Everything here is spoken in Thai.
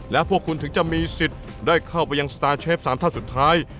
และพวกคุณถึงจะมีสิทธิ์ได้เข้าไปยังสตาร์เชฟ๓ท่านสุดท้าย